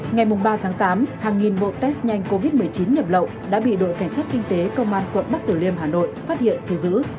ngày ba tháng tám hàng nghìn bộ test nhanh covid một mươi chín nhập lậu đã bị đội cảnh sát kinh tế công an quận bắc tử liêm hà nội phát hiện thu giữ